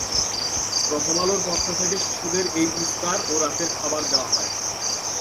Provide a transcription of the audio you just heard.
প্রথম আলোর পক্ষ থেকে শিশুদের এই ইফতার ও রাতের খাবার দেওয়া হয়।